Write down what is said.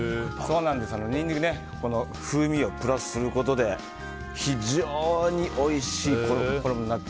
ニンニクで風味をプラスすることで非常においしい衣になって。